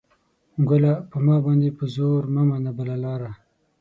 ګله ! په ما باندې په زور مه منه بله لاره